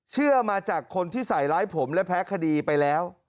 เชื่อมาจากคนที่ใส่ร้ายผมและแพ้คดีไปแล้ว